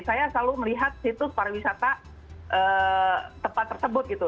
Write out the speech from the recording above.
saya selalu melihat situs pariwisata tempat tersebut gitu